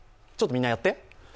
ちょっとみんなやって。